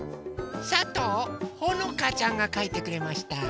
さとうほのかちゃんがかいてくれました。